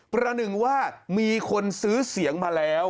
เพราะทีนี้มีคนซื้อเสียงมาแล้ว